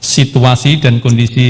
situasi dan kondisi